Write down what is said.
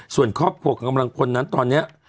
ส่วนครอบครัวกำลังคนนั้นตอนเนี่ย